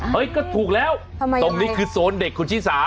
ก็ถูกแล้วตรงนี้คือโซนเด็กคุณชิสา